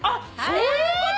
そういうこと？